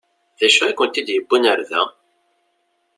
D acu i kent-id-yewwin ɣer da?